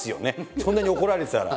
そんなに怒られてたら。